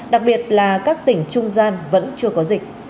đặc biệt là các tỉnh trung gian vẫn chưa có dịch